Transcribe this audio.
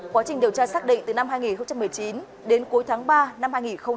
quá trình điều tra xác định từ năm hai nghìn một mươi chín đến cuối tháng ba năm hai nghìn hai mươi